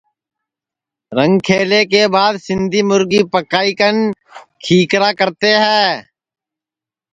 رنگ کھلے کے بعد سندھی مُرگی پکائی کن کھیکرا کرتے ہے